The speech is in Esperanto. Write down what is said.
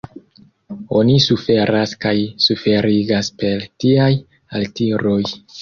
Oni suferas kaj suferigas per tiaj altiroj.